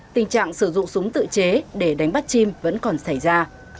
tình trạng sử dụng súng tự chế để đánh bắt chim vẫn còn xảy ra